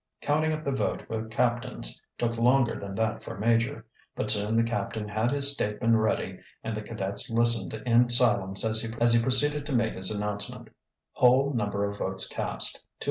Counting up the vote for captains took longer than that for major, but soon the captain had his statement ready and the cadets listened in silence as he proceeded to make his announcement: "Whole number of votes cast, 288.